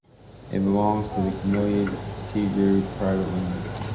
It belongs to the Camelia Tea Group Private Limited.